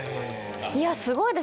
いやすごいですね